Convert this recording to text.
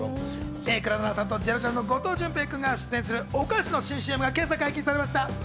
榮倉奈々さんとジャルジャルの後藤淳平くんが出演するお菓子の新ＣＭが今朝解禁されました。